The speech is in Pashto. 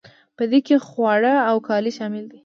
په دې کې خواړه او کالي شامل دي.